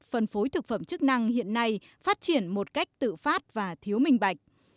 phân phối thực phẩm chức năng hiện nay phát triển một cách tự phát và thiếu minh bạch